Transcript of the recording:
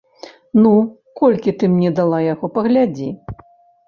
Ну, колькі ты мне дала яго, паглядзі.